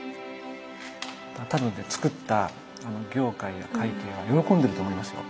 多分つくった行快や快慶は喜んでると思いますよ。